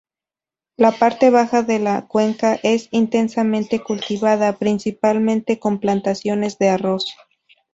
La parte baja de la cuenca es intensamente cultivada, principalmente con plantaciones de arroz.